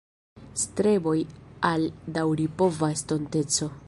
Streboj al daŭripova estonteco.